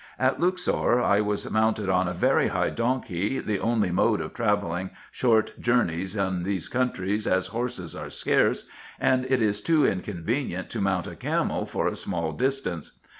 At Luxor I was mounted on a very high donkey, the only mode of travelling short journeys in those countries, as horses are scarce, and it is too inconvenient to mount a camel for a small distance.